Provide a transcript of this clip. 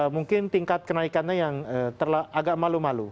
mungkin tingkat kenaikannya yang agak malu malu